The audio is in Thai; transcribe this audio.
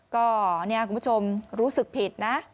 ก็เนี่ยคุณผู้ชมรู้สึกผิดนะ